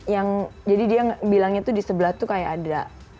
yang jadi dia bilangnya tuh di sebelah tuh kayak ada